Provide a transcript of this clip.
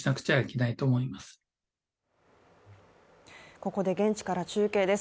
ここで現地から中継です。